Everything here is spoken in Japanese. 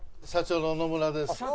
社長の野村です。